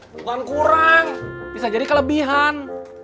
bukan kurang bisa jadi kelebihan